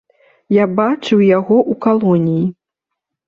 Я бачыў яго ў калоніі.